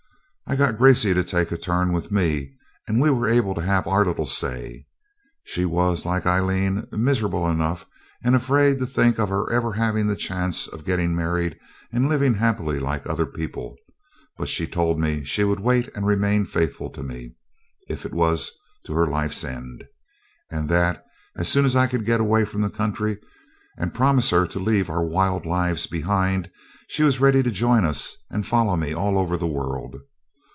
I got Gracey to take a turn with me, and we were able to have our little say. She was, like Aileen, miserable enough and afraid to think of our ever having the chance of getting married and living happy like other people, but she told me she would wait and remain faithful to me if it was to her life's end and that as soon as I could get away from the country and promise her to leave our wild lives behind she was ready to join us and follow me all over the world.